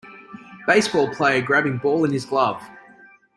baseball player grabbing ball in his glove